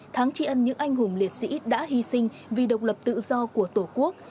tháng tri ân những anh hùng liệt sĩ đã hy sinh vì độc lập tự do của tổ quốc